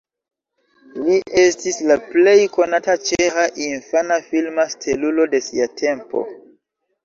Li estis la plej konata ĉeĥa infana filma stelulo de sia tempo.